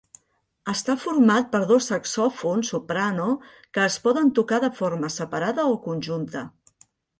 Està format per dos saxòfons soprano que es poden tocar de forma separada o conjunta.